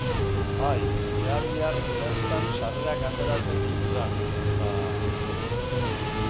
Bai, ea bihar bertan sarrerak ateratzen ditudan, eta...